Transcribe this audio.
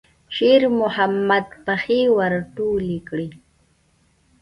شېرمحمد پښې ور ټولې کړې.